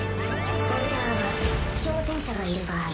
ホルダーは挑戦者がいる場合